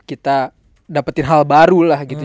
kita dapetin hal baru lah gitu